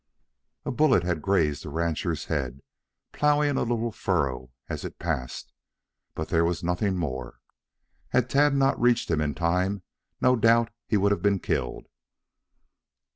A bullet had grazed the rancher's head, ploughing a little furrow as it passed, but there was nothing more. Had Tad not reached him in time no doubt he would have been killed.